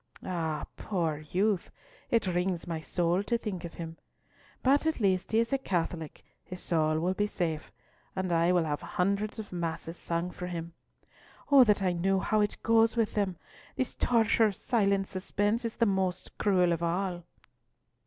Ah! poor youth, it wrings my soul to think of him. But at least he is a Catholic, his soul will be safe, and I will have hundreds of masses sung for him. Oh that I knew how it goes with them! This torture of silent suspense is the most cruel of all."